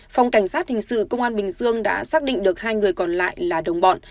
phòng cảnh sát hình sự công an bình dương đã xác định được hai người còn lại là đồng bọn